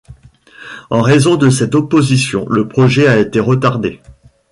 En raison de cette opposition, le projet a été retardé.